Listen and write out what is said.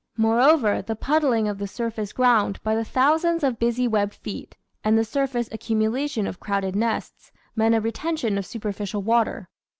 Moreover, the puddling of the surface ground by the thousands of busy webbed feet, and the surface accumula tion of crowded nests, meant a retention of superficial water.